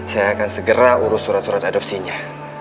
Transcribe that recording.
saya akan segera urus surat surat adopsinya